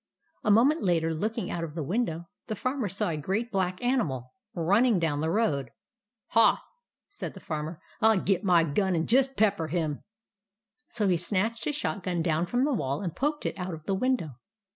A moment later, looking out of the window, the Farmer saw a great black animal running down the road. " Ha !" said the Farmer. " I '11 get my gun and just pepper him !" So he snatched his shot gun down from the wall and poked it out of the window.